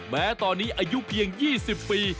แม้ตอนนี้อายุเพียง๒๐ปี